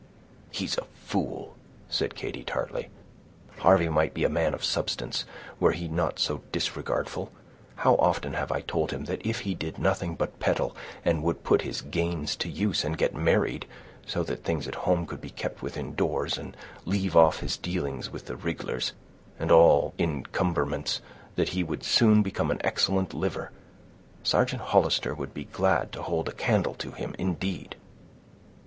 "He's a fool!" said Katy tartly. "Harvey might be a man of substance, were he not so disregardful. How often have I told him, that if he did nothing but peddle, and would put his gains to use, and get married, so that things at home could be kept within doors, and leave off his dealings with the rig'lars, and all incumberments, that he would soon become an excellent liver. Sergeant Hollister would be glad to hold a candle to him, indeed!"